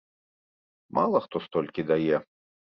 Мала хто столькі дае.